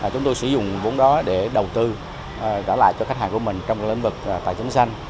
chúng tôi sử dụng vốn đó để đầu tư trả lại cho khách hàng của mình trong lĩnh vực tài chính xanh